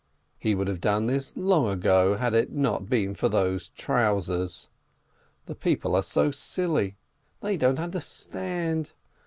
He would have done this long ago, had it not been for those trousers. The people are so silly, they don't under stand